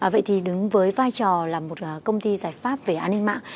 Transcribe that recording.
vậy thì đứng với vai trò là một công ty giải pháp về an ninh mạng